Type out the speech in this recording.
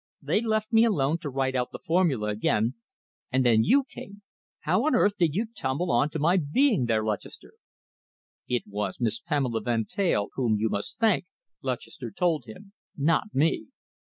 They left me alone to write out the formula again, and then you came.... How on earth did you tumble on to my being there, Lutchester?" "It was Miss Pamela Van Teyl whom you must thank," Lutchester told him, "not me.